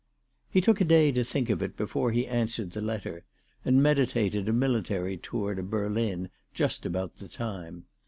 He took a day to think of it before he answered the letter, and meditated a military tour to Berlin just about the time.